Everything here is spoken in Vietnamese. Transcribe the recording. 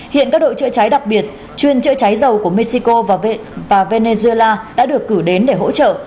hiện các đội chữa cháy đặc biệt chuyên chữa cháy dầu của mexico và venezuela đã được cử đến để hỗ trợ